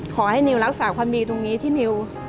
ขอให้นิวรักษาความดีตรงนี้ที่นิว